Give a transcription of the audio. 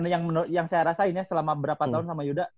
yang saya rasain ya selama berapa tahun sama yuda